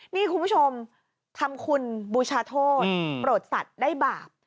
นี่คุณผู้ชมทำคุณบูชาโทษโปรดสัตว์ได้บาป